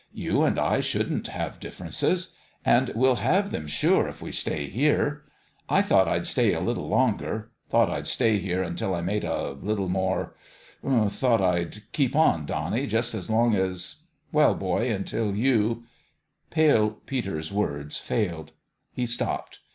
You and I shouldn't have differences. And we'll have them sure if we stay here. I thought I'd stay a little longer thought I'd stay here until I made a little more thought I'd keep on, Donnie, just as long as well, boy, until you " Pale Peter's words failed. He stopped.